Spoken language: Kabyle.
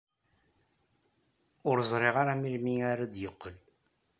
Ur ẓriɣ ara melmi ara d-yeqqel.